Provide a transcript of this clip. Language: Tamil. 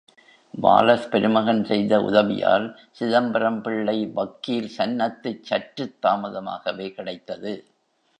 வாலஸ் பெருமகன் செய்த உதவியால், சிதம்பரம் பிள்ளை வக்கீல் சன்னத்து சற்றுத் தாமதமாகவே கிடைத்தது.